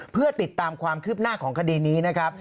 เพื่อติดตามความคืบหน้าของคดีนี้นะครับ